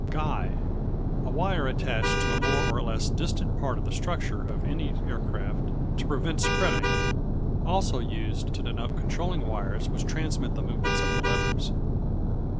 Guy A wire attached to a more or less distant part of the structure of any aircraft to prevent spreading. Also used to denote controlling wires which transmit the movements of the levers.